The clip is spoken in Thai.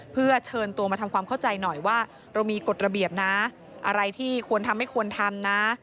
เพื่อเชิญตัวมาทำความเข้าใจหน่อยว่าเรามีกฎระเบียบนะอะไรที่ควรทำไม่ควรทำนะ